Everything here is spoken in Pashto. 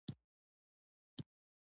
خربوزه د کندز نښه ده.